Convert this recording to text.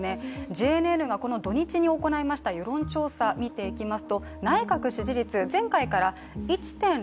ＪＮＮがこの土日に行いました世論調査、見ていきます。